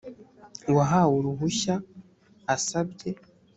uwahawe uruhushya asabye